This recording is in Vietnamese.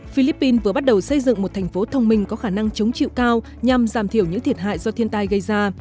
philippines vừa bắt đầu xây dựng một thành phố thông minh có khả năng chống chịu cao nhằm giảm thiểu những thiệt hại do thiên tai gây ra